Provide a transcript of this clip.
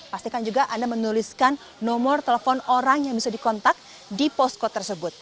pastikan juga anda menuliskan nomor telepon orang yang bisa dikontak di posko tersebut